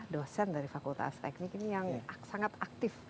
dosen dari fakultas teknik ini yang sangat aktif